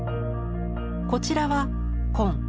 こちらは「坤」。